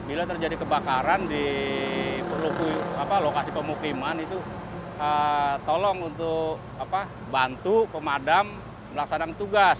bila terjadi kebakaran di lokasi pemukiman itu tolong untuk bantu pemadam melaksanakan tugas